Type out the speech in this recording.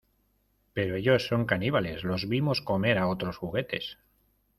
Pero ellos son caníbales. Los vimos comer a otros juguetes .